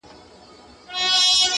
ښه پوهېږمه غمی له ده سره دی.